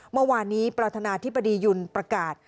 เมื่อวานนี้ประธานาธิบดียุนประกาศ